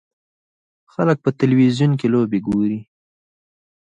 خلک په تلویزیون کې لوبې ګوري.